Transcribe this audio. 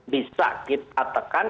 bisa kita tekan